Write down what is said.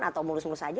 atau murus murus saja